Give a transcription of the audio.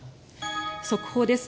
速報です。